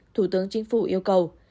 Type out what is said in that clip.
thủ tướng chính phủ yêu cầu